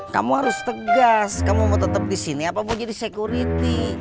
kamu harus tegas kamu mau tetep disini apa mau jadi security